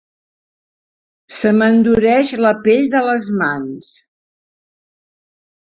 Se m'endureix la pell de les mans.